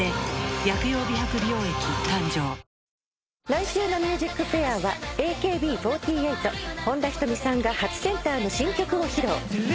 来週の『ＭＵＳＩＣＦＡＩＲ』はＡＫＢ４８本田仁美さんが初センターの新曲を披露。